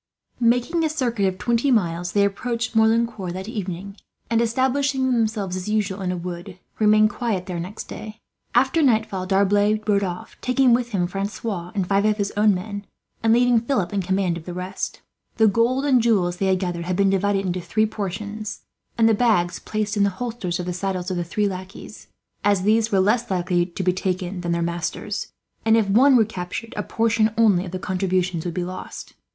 Making a circuit of twenty miles, they approached Merlincourt that evening and, establishing themselves as usual in a wood, remained quiet there next day. After nightfall D'Arblay rode off, taking with him Francois and five of his own men, and leaving Philip in command of the rest. The gold and jewels they had gathered had been divided into three portions, and the bags placed in the holsters of the saddles of the three lackeys; as these were less likely to be taken than their masters and, if one were captured, a portion only of the contributions would be lost.